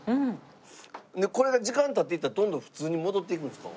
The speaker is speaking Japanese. これが時間経っていったらどんどん普通に戻っていくんですか？